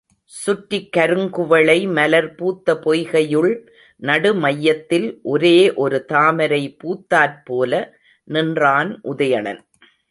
சுற்றிக் கருங்குவளை மலர் பூத்த பொய்கையுள் நடு மையத்தில் ஒரே ஒரு தாமரை பூத்தாற் போல நின்றான் உதயணன்.